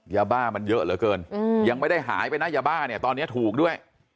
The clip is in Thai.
ยาบ้ามันเยอะเหลือเกินยังไม่ได้หายไปนะยาบ้าเนี่ยตอนนี้ถูกด้วย